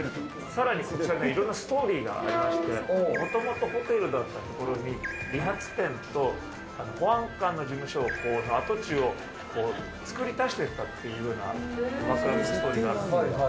さらにこちらね、いろんなストーリーがありまして、もともとホテルだった所に、理髪店と保安官の事務所の跡地を作り足していったっていうようなストーリーがあって。